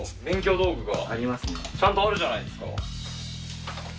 ちゃんとあるじゃないですか。